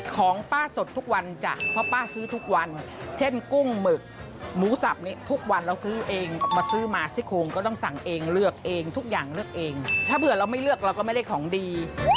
ของป้าสดทุกวันจ้ะเพราะป้าซื้อทุกวันเช่นกุ้งหมึกหมูสับเนี่ยทุกวันเราซื้อเองมาซื้อมาซิโคงก็ต้องสั่งเองเลือกเองทุกอย่างเลือกเองถ้าเผื่อเราไม่เลือกเราก็ไม่ได้ของดี